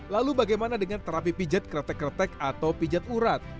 lalu bagaimana dengan terapi pijat kretek kretek atau pijat urat